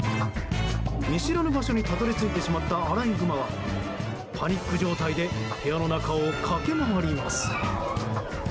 見知らぬ場所にたどり着いてしまったアライグマは、パニック状態で部屋の中を駆け回ります。